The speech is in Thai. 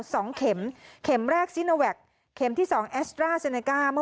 สองเข็มเข็มแรกซินาแวคเข็มที่สองแอสตร้าเซเนก้า